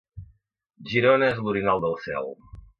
Girona és l'orinal del cel.